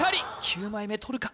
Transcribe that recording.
９枚目とるか？